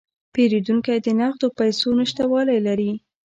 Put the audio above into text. پیرودونکی د نغدو پیسو نشتوالی لري.